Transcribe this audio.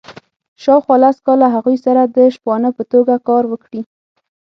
شاوخوا لس کاله هغوی سره د شپانه په توګه کار وکړي.